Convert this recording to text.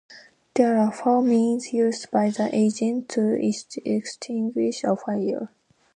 There are four means used by the agents to extinguish a fire.